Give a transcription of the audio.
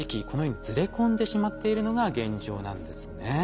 このようにずれ込んでしまっているのが現状なんですね。